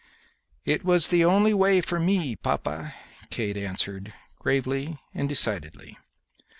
"It was the only way for me, papa," Kate answered, gravely and decidedly.